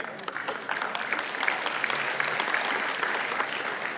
dan untuk terjun ke politik